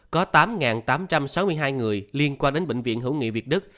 có tám tám trăm sáu mươi hai người liên quan đến bệnh viện hữu nghị việt đức